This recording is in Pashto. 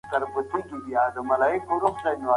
سره له ټولو جنګونو او ستونزو.